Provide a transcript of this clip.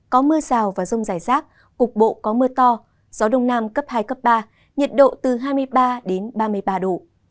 có mưa rào và rông rải rác cục bộ có mưa to gió đông nam cấp hai cấp ba nhiệt độ từ hai mươi ba đến ba mươi ba độ